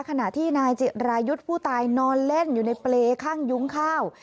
ขณะที่นายจิรายุทธ์ผู้ตายนอนเล่นอยู่ในเปรย์ข้างยุ้งข้าว